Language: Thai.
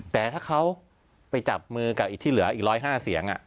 แต่ถ้าเขาไปจับมือกับอีกที่เหลืออีก๑๐๕เสียง